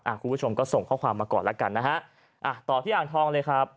คุณผู้ชมก็ส่งข้อความมาก่อนแล้วกันนะฮะอ่ะต่อที่อ่างทองเลยครับ